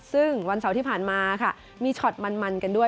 ซึ่งวันเสาร์ที่ผ่านมาค่ะมีช็อตมันกันด้วย